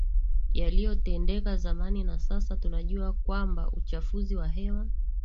yaliyotendeka zamani na sasa tunajua kwamba uchafuzi wa hewa